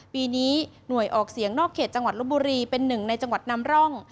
ปีนี้หน่วยออกเสียงนอกเขตจังหวัดลบบุรีเป็นหนึ่งในจังหวัดนำร่อง